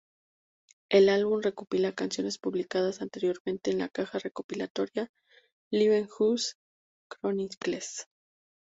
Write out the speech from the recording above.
El álbum recopila canciones publicadas anteriormente en la caja recopilatoria "Lifehouse Chronicles".